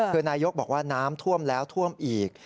คือนายกบอกว่าน้ำท่วมแล้วท่วมอีก